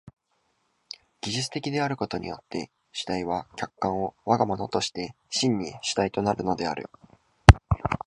技術的であることによって主体は客観を我が物として真に主体となるのである。